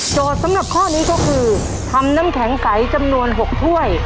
สำหรับข้อนี้ก็คือทำน้ำแข็งใสจำนวน๖ถ้วย